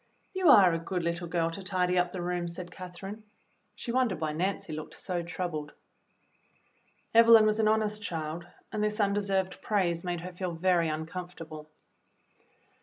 "You are a good little girl to tidy up the room," said Catherine. She wondered why Nancy looked so troubled. Evelyn was an honest child, and this undeserved praise made her feel very uncomfortable.